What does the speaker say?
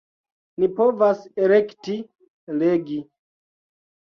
Ni povas elekti legi.